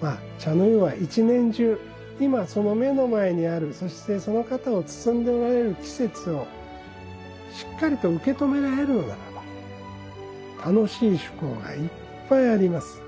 まあ茶の湯は一年中今その目の前にあるそしてその方を包んでおられる季節をしっかりと受け止められるのならば楽しい趣向がいっぱいあります。